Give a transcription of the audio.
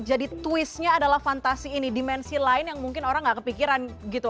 jadi twistnya adalah fantasi ini dimensi lain yang mungkin orang nggak kepikiran gitu